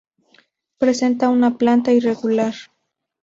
Presenta una planta irregular.